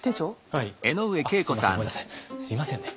すいませんね。